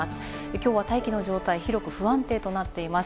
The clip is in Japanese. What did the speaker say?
きょうは大気の状態、広く不安定となっています。